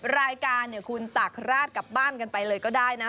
รายการเนี่ยคุณตากราดกลับบ้านกันไปเลยก็ได้นะ